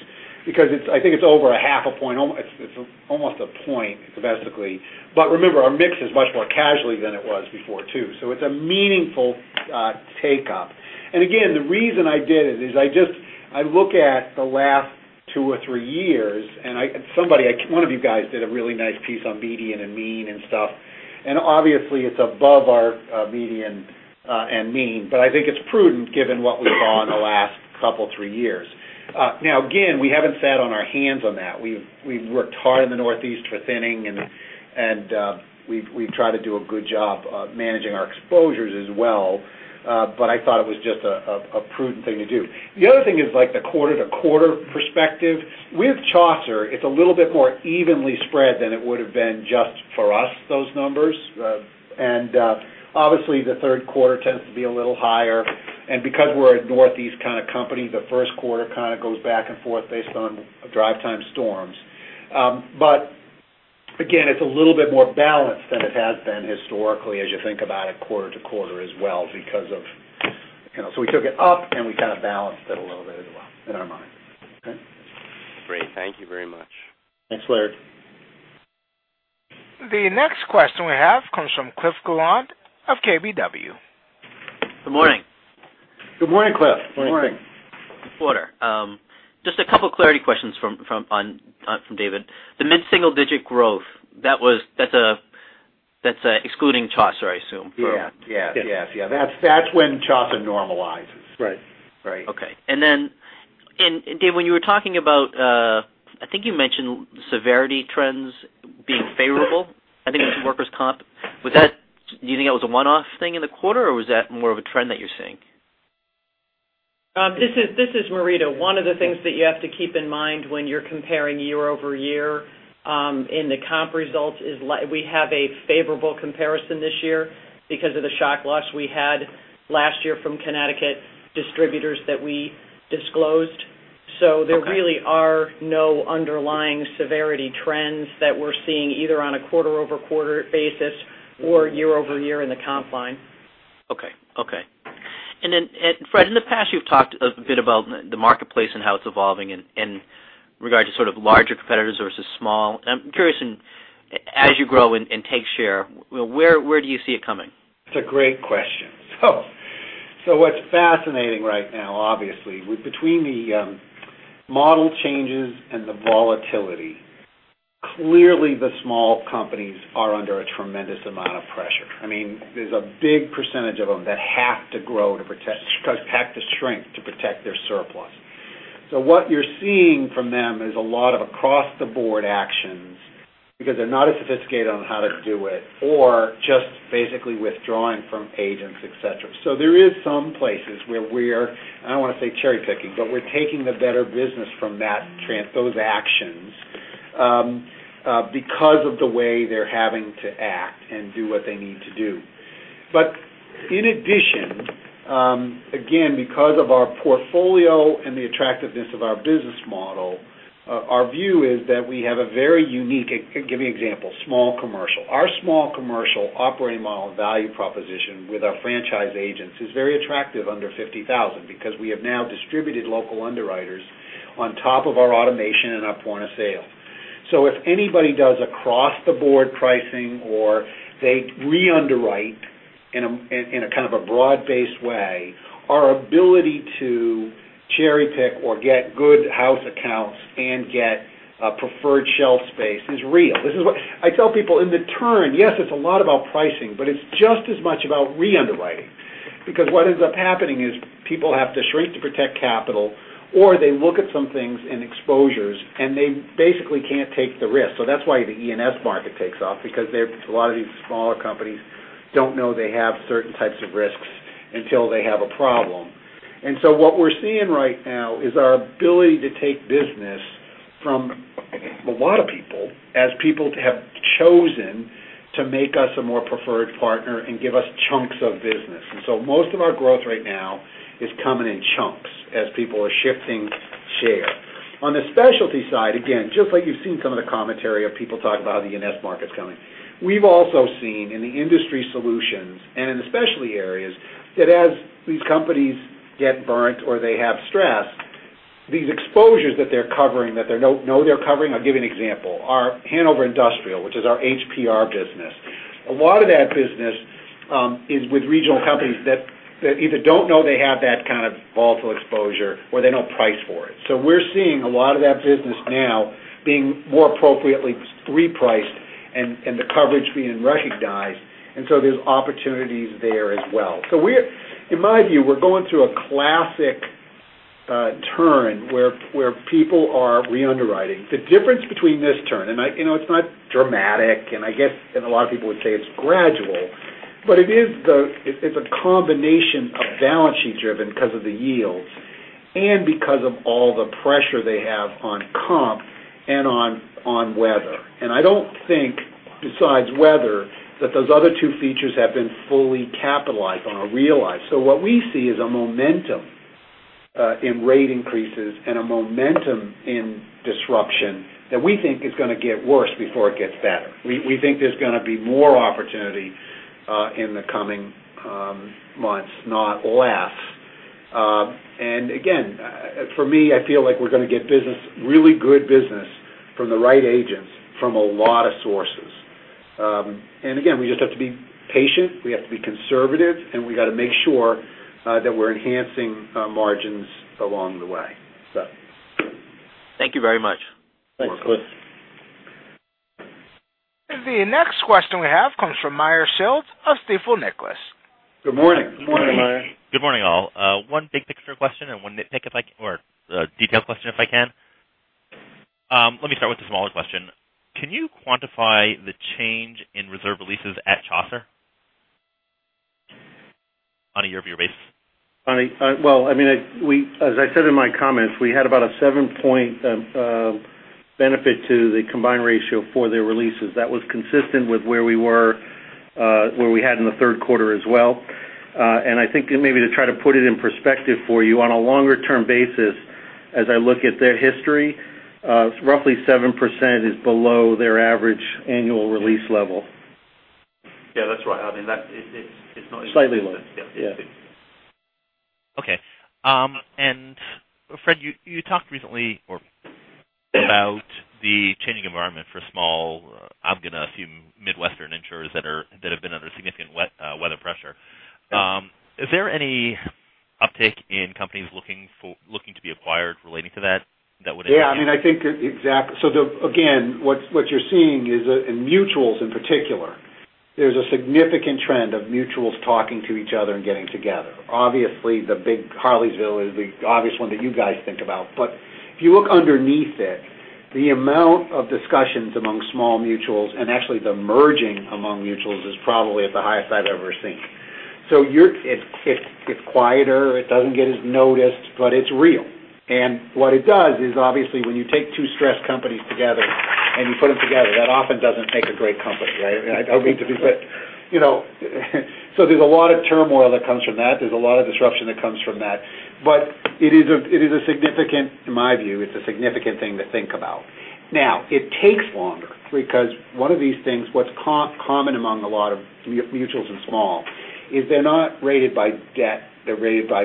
because I think it's over a half a point. It's almost a point domestically. Remember, our mix is much more casualty than it was before, too. It's a meaningful take-up. Again, the reason I did it is I look at the last two or three years, and one of you guys did a really nice piece on median and mean and stuff, and obviously, it's above our median and mean, but I think it's prudent given what we saw in the last couple of three years. Now again, we haven't sat on our hands on that. We've worked hard in the Northeast for thinning, and we've tried to do a good job of managing our exposures as well. I thought it was just a prudent thing to do. The other thing is the quarter-to-quarter perspective. With Chaucer, it's a little bit more evenly spread than it would've been just for us, those numbers. Obviously, the third quarter tends to be a little higher. Because we're a Northeast kind of company, the first quarter kind of goes back and forth based on drive time storms. Again, it's a little bit more balanced than it has been historically as you think about it quarter to quarter as well because of, we took it up, and we kind of balanced it a little bit as well in our mind. Okay? Great. Thank you very much. Thanks, Larry. The next question we have comes from Cliff Gallant of KBW. Good morning. Good morning, Cliff. Good morning. Good morning. Just a couple clarity questions from David. The mid-single digit growth, that's excluding Chaucer, I assume. Yeah. That's when Chaucer normalizes. Right. Right. Okay. David, when you were talking about, I think you mentioned severity trends being favorable. I think it was workers' comp. Do you think that was a one-off thing in the quarter, or was that more of a trend that you're seeing? This is Marita. One of the things that you have to keep in mind when you're comparing year-over-year in the comp results is we have a favorable comparison this year because of the shock loss we had last year from Connecticut Distributors that we disclosed. There really are no underlying severity trends that we're seeing either on a quarter-over-quarter basis or year-over-year in the comp line. Okay. Fred, in the past, you've talked a bit about the marketplace and how it's evolving in regard to larger competitors versus small. I'm curious, as you grow and take share, where do you see it coming? That's a great question. What's fascinating right now, obviously, between the model changes and the volatility, clearly the small companies are under a tremendous amount of pressure. There's a big percentage of them that have to grow to protect, because they have the strength to protect their surplus. What you're seeing from them is a lot of across-the-board actions because they're not as sophisticated on how to do it or just basically withdrawing from agents, et cetera. There is some places where we're, I don't want to say cherry-picking, but we're taking the better business from those actions because of the way they're having to act and do what they need to do. In addition, again because of our portfolio and the attractiveness of our business model, our view is that we have a very unique. Give you an example. Small commercial. Our small commercial operating model value proposition with our franchise agents is very attractive under $50,000 because we have now distributed local underwriters on top of our automation and our point of sale. If anybody does across-the-board pricing or they re-underwrite in a kind of a broad-based way, our ability to cherry-pick or get good house accounts and get preferred shelf space is real. I tell people in the turn, yes, it's a lot about pricing, but it's just as much about re-underwriting. What ends up happening is people have the strength to protect capital, or they look at some things in exposures, and they basically can't take the risk. That's why the E&S market takes off because a lot of these smaller companies don't know they have certain types of risks until they have a problem. What we're seeing right now is our ability to take business from a lot of people, as people have chosen to make us a more preferred partner and give us chunks of business. Most of our growth right now is coming in chunks as people are shifting share. On the specialty side, again, just like you've seen some of the commentary of people talk about how the E&S market's coming, we've also seen in the industry solutions and in the specialty areas that as these companies get burnt or they have stress, these exposures that they're covering that they don't know they're covering. I'll give you an example. Our Hanover Industrial, which is our HPR business. A lot of that business is with regional companies that either don't know they have that kind of volatile exposure or they don't price for it. We're seeing a lot of that business now being more appropriately repriced and the coverage being recognized. There's opportunities there as well. In my view, we're going through a classic turn where people are re-underwriting. The difference between this turn, and it's not dramatic, I guess, and a lot of people would say it's gradual, but it's a combination of balance sheet driven because of the yields and because of all the pressure they have on comp and on weather. I don't think, besides weather, that those other two features have been fully capitalized on or realized. What we see is a momentum in rate increases and a momentum in disruption that we think is going to get worse before it gets better. We think there's going to be more opportunity in the coming months, not less. Again, for me, I feel like we're going to get business, really good business from the right agents from a lot of sources. Again, we just have to be patient, we have to be conservative, and we got to make sure that we're enhancing margins along the way. Thank you very much. Thanks, Cliff. The next question we have comes from Meyer Shields of Stifel Nicolaus. Good morning. Good morning, Meyer. Good morning, all. One big picture question and one nitpick or detail question if I can. Let me start with the smaller question. Can you quantify the change in reserve releases at Chaucer on a year-over-year basis? Well, as I said in my comments, we had about a seven-point benefit to the combined ratio for their releases. That was consistent with where we had in the third quarter as well. I think maybe to try to put it in perspective for you on a longer-term basis, as I look at their history, roughly 7% is below their average annual release level. Yeah, that's right. I mean, Slightly low. Fred, you talked recently about the changing environment for small, I'm going to assume Midwestern insurers that have been under significant weather pressure. Is there any uptick in companies looking to be acquired relating to that? I think exactly. Again, what you're seeing is in mutuals in particular, there's a significant trend of mutuals talking to each other and getting together. Obviously, the big Harleysville is the obvious one that you guys think about. If you look underneath it, the amount of discussions among small mutuals and actually the merging among mutuals is probably at the highest I've ever seen. It's quieter. It doesn't get as noticed, but it's real. What it does is obviously when you take two stressed companies together there's a lot of turmoil that comes from that. There's a lot of disruption that comes from that. In my view, it's a significant thing to think about. It takes longer because one of these things, what's common among a lot of mutuals and small, is they're not rated by debt, they're rated by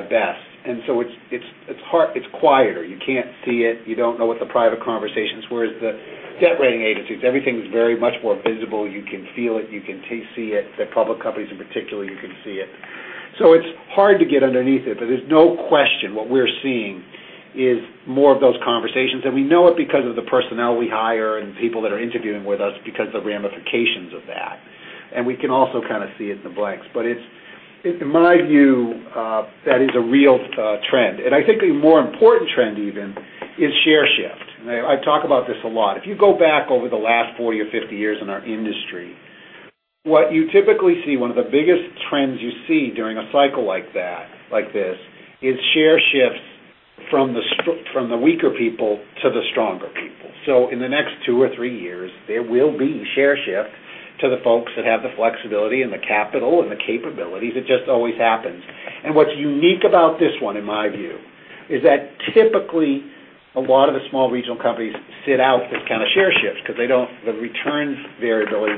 BEST, it's quieter. You can't see it. You don't know what the private conversation is. Whereas the debt rating agencies, everything is very much more visible. You can feel it. You can see it. The public companies in particular, you can see it. It's hard to get underneath it, there's no question what we're seeing is more of those conversations. We know it because of the personnel we hire and people that are interviewing with us because of the ramifications of that. We can also kind of see it in the blanks. In my view, that is a real trend. I think a more important trend even is share shift. I talk about this a lot. If you go back over the last 40 or 50 years in our industry, what you typically see, one of the biggest trends you see during a cycle like this is share shifts from the weaker people to the stronger people. In the next two or three years, there will be share shift to the folks that have the flexibility and the capital and the capabilities. It just always happens. What's unique about this one, in my view, is that typically a lot of the small regional companies sit out this kind of share shifts because the returns variability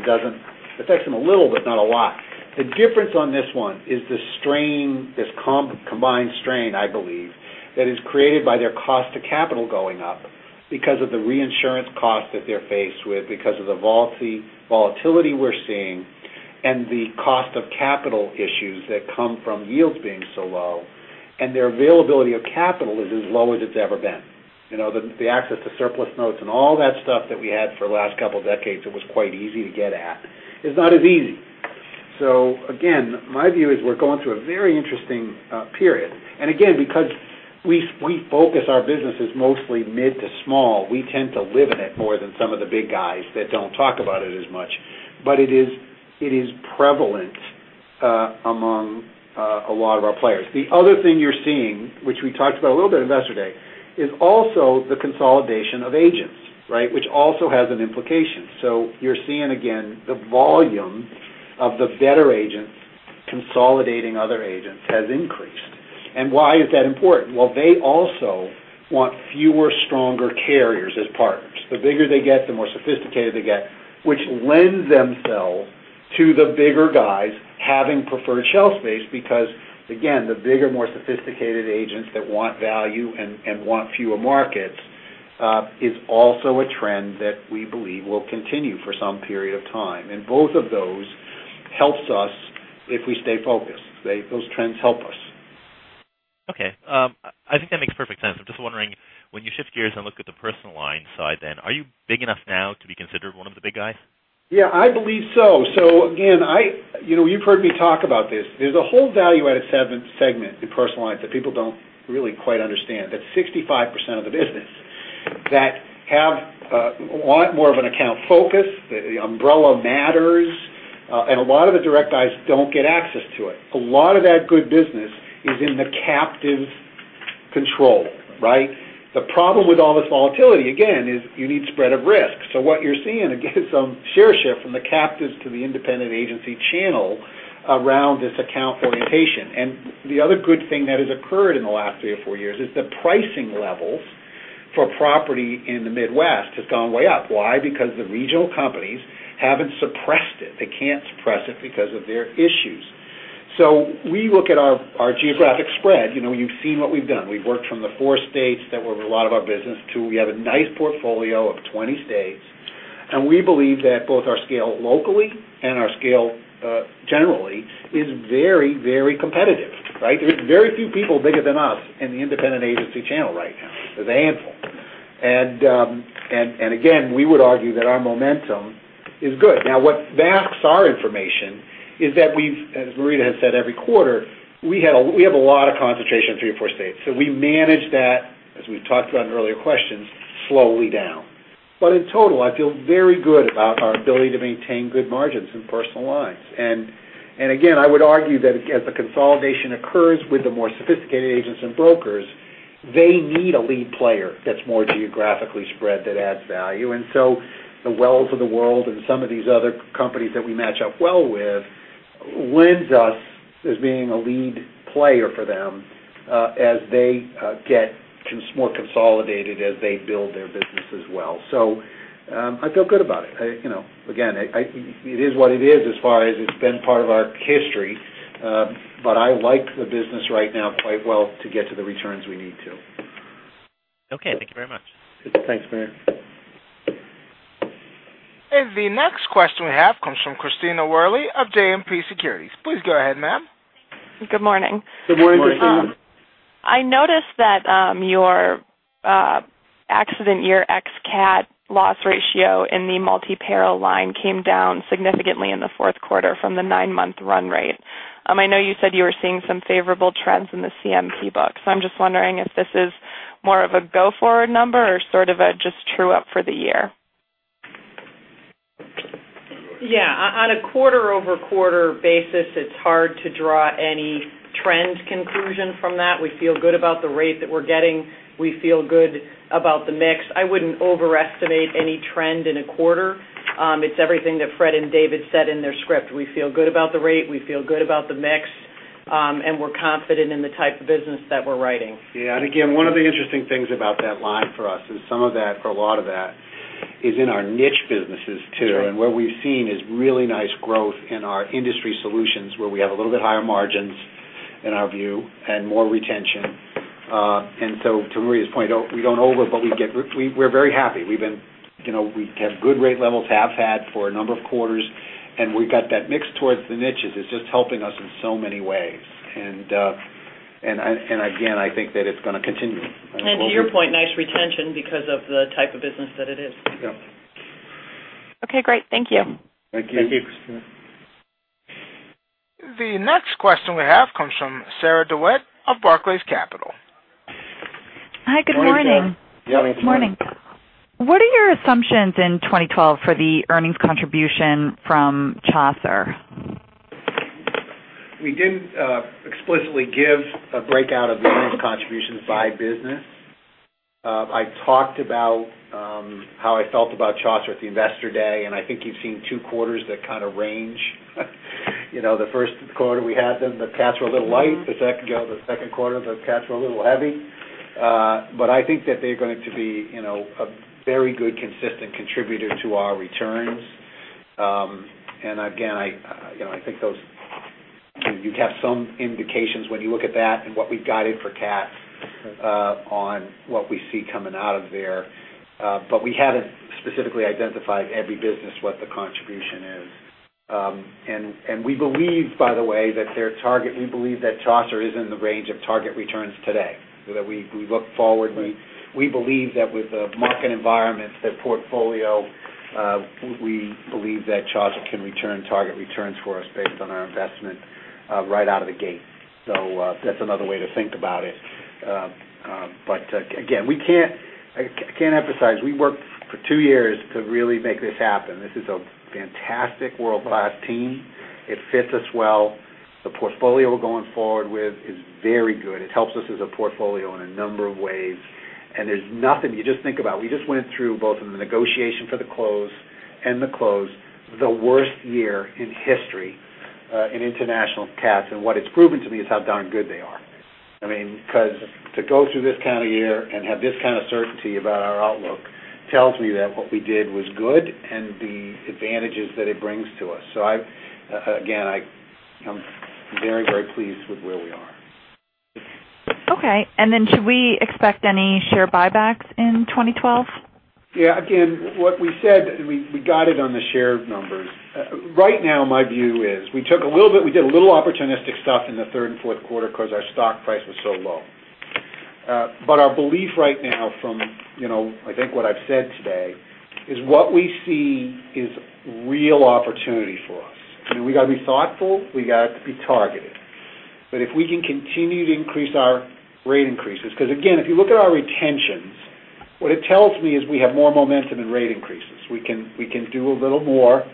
affects them a little, but not a lot. The difference on this one is this combined strain, I believe, that is created by their cost of capital going up because of the reinsurance cost that they're faced with, because of the volatility we're seeing and the cost of capital issues that come from yields being so low, and their availability of capital is as low as it's ever been. The access to surplus notes and all that stuff that we had for the last couple of decades, it was quite easy to get at, is not as easy. Again, my view is we're going through a very interesting period. Again, because we focus our businesses mostly mid to small, we tend to live in it more than some of the big guys that don't talk about it as much. It is prevalent among a lot of our players. The other thing you're seeing, which we talked about a little bit at Investor Day, is also the consolidation of agents. Which also has an implication. You're seeing, again, the volume of the better agents consolidating other agents has increased. Why is that important? Well, they also want fewer, stronger carriers as partners. The bigger they get, the more sophisticated they get, which lends themselves to the bigger guys having preferred shelf space because, again, the bigger, more sophisticated agents that want value and want fewer markets, is also a trend that we believe will continue for some period of time. Both of those helps us if we stay focused. Those trends help us. Okay. I think that makes perfect sense. I'm just wondering, when you shift gears and look at the personal line side then, are you big enough now to be considered one of the big guys? Yeah, I believe so. Again, you've heard me talk about this. There's a whole value-added segment in personal lines that people don't really quite understand. That's 65% of the business that have a lot more of an account focus, the umbrella matters, and a lot of the direct guys don't get access to it. A lot of that good business is in the captive's control. The problem with all this volatility, again, is you need spread of risk. What you're seeing, again, some share shift from the captives to the independent agency channel around this account orientation. The other good thing that has occurred in the last 3 or 4 years is the pricing levels for property in the Midwest has gone way up. Why? Because the regional companies haven't suppressed it. They can't suppress it because of their issues. We look at our geographic spread. You've seen what we've done. We've worked from the 4 states that were a lot of our business to we have a nice portfolio of 20 states, and we believe that both our scale locally and our scale generally is very competitive. There's very few people bigger than us in the independent agency channel right now. There's a handful. Again, we would argue that our momentum is good. Now, what backs our information is that we've, as Marita has said every quarter, we have a lot of concentration in 3 or 4 states. We manage that, as we've talked about in earlier questions, slowly down. In total, I feel very good about our ability to maintain good margins in personal lines. Again, I would argue that as the consolidation occurs with the more sophisticated agents and brokers, they need a lead player that's more geographically spread, that adds value. The Wells of the world and some of these other companies that we match up well with lends us as being a lead player for them as they get more consolidated, as they build their business as well. I feel good about it. Again, it is what it is as far as it's been part of our history. I like the business right now quite well to get to the returns we need to. Okay. Thank you very much. Thanks, Meyer. The next question we have comes from Christina Worley of JMP Securities. Please go ahead, ma'am. Good morning. Good morning to you. I noticed that your accident year ex-cat loss ratio in the multi-peril line came down significantly in the fourth quarter from the nine-month run rate. I know you said you were seeing some favorable trends in the CMP book, I'm just wondering if this is more of a go-forward number or sort of a just true up for the year. Yeah. On a quarter-over-quarter basis, it's hard to draw any trend conclusion from that. We feel good about the rate that we're getting. We feel good about the mix. I wouldn't overestimate any trend in a quarter. It's everything that Fred and David said in their script. We feel good about the rate. We feel good about the mix. We're confident in the type of business that we're writing. Yeah. Again, one of the interesting things about that line for us is some of that, or a lot of that, is in our niche businesses too. Sure. What we've seen is really nice growth in our industry solutions, where we have a little bit higher margins, in our view, and more retention. To Marita's point, we don't know yet, but we're very happy. We've had good rate levels, have had for a number of quarters, and we've got that mix towards the niches. It's just helping us in so many ways. Again, I think that it's going to continue. To your point, nice retention because of the type of business that it is. Yeah. Okay, great. Thank you. Thank you. Thank you. The next question we have comes from Sarah DeWitt of Barclays Capital. Hi, good morning. Good morning. Morning. What are your assumptions in 2012 for the earnings contribution from Chaucer? We didn't explicitly give a breakout of earnings contributions by business. I talked about how I felt about Chaucer at the Investor Day, I think you've seen two quarters that kind of range. The first quarter we had them, the cats were a little light. The second quarter, the cats were a little heavy. I think that they're going to be a very good, consistent contributor to our returns. Again, I think you have some indications when you look at that and what we've guided for cats on what we see coming out of there. We haven't specifically identified every business what the contribution is. We believe, by the way, that their target, we believe that Chaucer is in the range of target returns today, that we look forward. Right. We believe that with the market environment, the portfolio, we believe that Chaucer can return target returns for us based on our investment right out of the gate. That's another way to think about it. Again, I can't emphasize, we worked for two years to really make this happen. This is a fantastic world-class team. It fits us well. The portfolio we're going forward with is very good. It helps us as a portfolio in a number of ways. There's nothing, you just think about, we just went through both the negotiation for the close and the close, the worst year in history in international cats. What it's proven to me is how darn good they are. To go through this kind of year and have this kind of certainty about our outlook tells me that what we did was good and the advantages that it brings to us. Again, I'm very pleased with where we are. Okay. Should we expect any share buybacks in 2012? Yeah, again, what we said, we guided on the share numbers. Right now, my view is we did a little opportunistic stuff in the third and fourth quarter because our stock price was so low. Our belief right now from, I think what I've said today, is what we see is real opportunity for us. We've got to be thoughtful. We've got to be targeted. If we can continue to increase our rate increases, because again, if you look at our retentions, what it tells me is we have more momentum in rate increases. We can do a little more.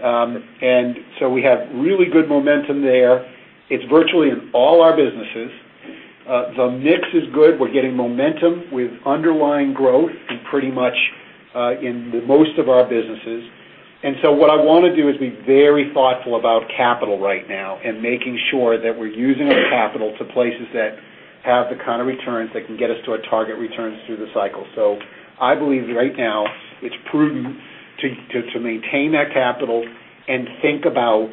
We have really good momentum there. It's virtually in all our businesses. The mix is good. We're getting momentum with underlying growth in pretty much in most of our businesses. What I want to do is be very thoughtful about capital right now and making sure that we're using our capital to places that have the kind of returns that can get us to our target returns through the cycle. I believe right now it's prudent to maintain that capital and think about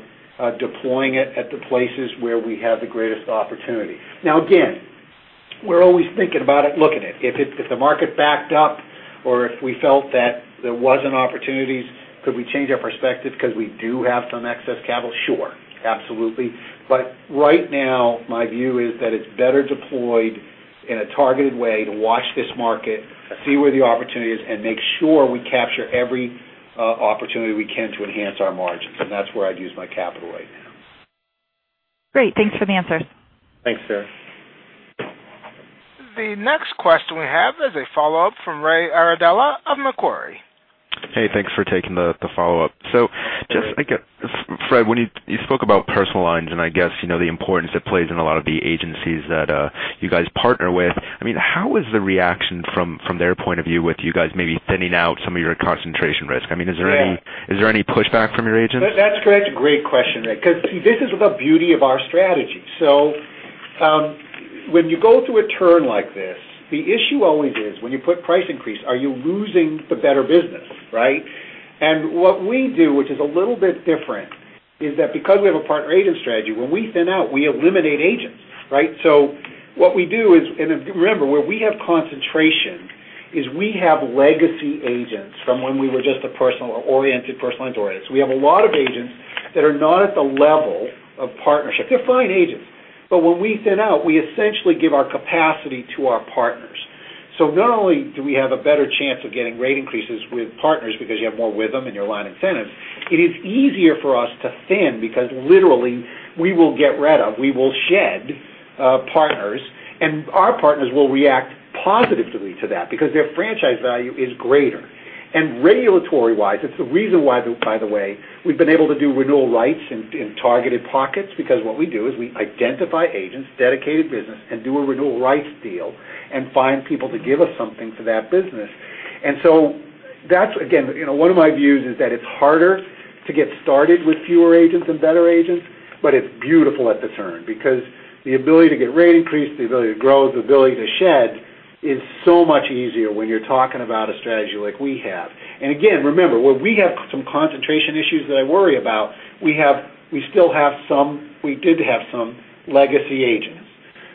deploying it at the places where we have the greatest opportunity. Now, again, we're always thinking about it, looking at if the market backed up or if we felt that there wasn't opportunities, could we change our perspective because we do have some excess capital? Sure. Absolutely. Right now, my view is that it's better deployed in a targeted way to watch this market, see where the opportunity is, and make sure we capture every opportunity we can to enhance our margins. That's where I'd use my capital right now. Great. Thanks for the answers. Thanks, Sarah. The next question we have is a follow-up from Ray Iardella of Macquarie. Hey, thanks for taking the follow-up. Just, Fred, when you spoke about personal lines, and I guess the importance it plays in a lot of the agencies that you guys partner with, how was the reaction from their point of view with you guys maybe thinning out some of your concentration risk? Is there any pushback from your agents? That's a great question, Ray, because this is the beauty of our strategy. When you go through a turn like this, the issue always is when you put price increase, are you losing the better business, right? What we do, which is a little bit different, is that because we have a partner-agent strategy, when we thin out, we eliminate agents, right? What we do is, and remember, where we have concentration is we have legacy agents from when we were just a personal line oriented. We have a lot of agents that are not at the level of partnership. They're fine agents. When we thin out, we essentially give our capacity to our partners. Not only do we have a better chance of getting rate increases with partners because you have more with them and you're line and sentence, it is easier for us to thin because literally we will shed partners, and our partners will react positively to that because their franchise value is greater. Regulatory-wise, it's the reason why, by the way, we've been able to do renewal rights in targeted pockets, because what we do is we identify agents, dedicated business, and do a renewal rights deal and find people to give us something for that business. That's, again, one of my views is that it's harder to get started with fewer agents and better agents, but it's beautiful at the turn because the ability to get rate increase, the ability to grow, the ability to shed is so much easier when you're talking about a strategy like we have. Again, remember, where we have some concentration issues that I worry about, we did have some legacy agents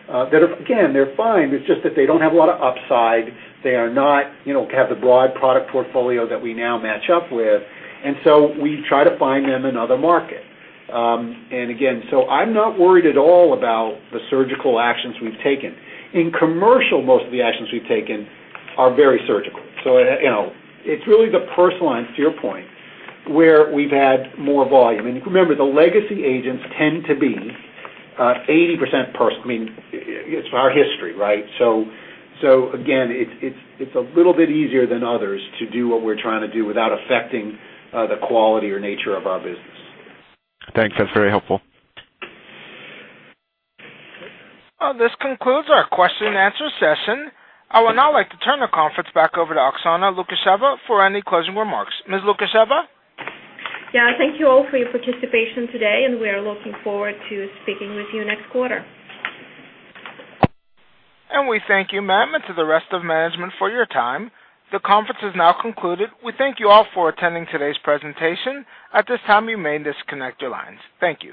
that are, again, they're fine. It's just that they don't have a lot of upside. They are not have the broad product portfolio that we now match up with. So we try to find them another market. Again, so I'm not worried at all about the surgical actions we've taken. In commercial, most of the actions we've taken are very surgical. It's really the personal lines, to your point, where we've had more volume. Remember, the legacy agents tend to be 80% personal. It's our history, right? Again, it's a little bit easier than others to do what we're trying to do without affecting the quality or nature of our business. Thanks. That's very helpful. This concludes our question and answer session. I would now like to turn the conference back over to Oksana Lukasheva for any closing remarks. Ms. Lukasheva? Yeah, thank you all for your participation today. We are looking forward to speaking with you next quarter. We thank you, ma'am, and to the rest of management for your time. The conference is now concluded. We thank you all for attending today's presentation. At this time, you may disconnect your lines. Thank you.